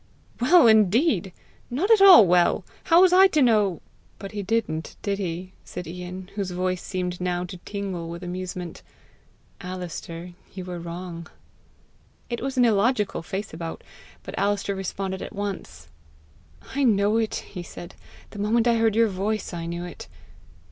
"Well indeed! Not at all well! How was I to know " "But he didn't did he?" said Ian, whose voice seemed now to tingle with amusement. " Alister, you were wrong." It was an illogical face about, but Alister responded at once. "I know it," he said. "The moment I heard your voice, I knew it.